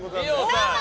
どうも！